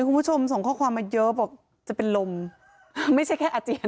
คุณผู้ชมส่งข้อความมาเยอะบอกจะเป็นลมไม่ใช่แค่อาเจียน